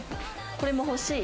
これも欲しい。